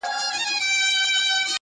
دې ساحل باندي څرک نسته د بيړیو!!